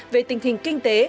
về tình hình kinh tế